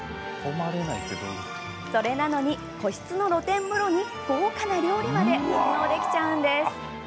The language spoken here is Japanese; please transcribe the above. それなのに、個室の露天風呂に豪華な料理まで堪能できちゃうんです。